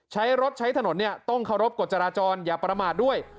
ใช้รถใช้ถนนเนี่ยต้องเคารพกฎจราจรอย่าประมาทด้วย